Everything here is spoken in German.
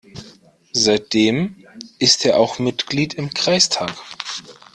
Seitdem ist er auch Mitglied im Kreistag.